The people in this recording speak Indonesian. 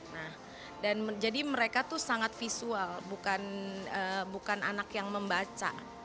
nah dan jadi mereka tuh sangat visual bukan anak yang membaca